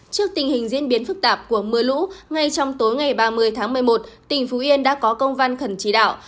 trước tình hình diễn biến phức tạp của mưa lũ ngay trong tối ngày ba mươi tháng một mươi một tỉnh phú yên đã có công văn khẩn chỉ đạo